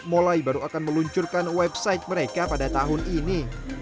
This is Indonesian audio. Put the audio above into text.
molai baru akan meluncurkan website mereka pada tahun ini